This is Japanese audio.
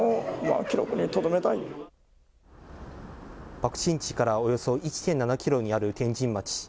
爆心地からおよそ１．７キロにある天神町。